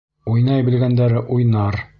Уйнай белгәндәре уйнар.